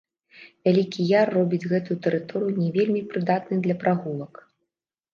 Вялікі яр робіць гэтую тэрыторыю не вельмі прыдатнай для прагулак.